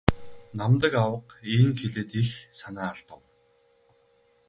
Намдаг авга ийн хэлээд их санаа алдав.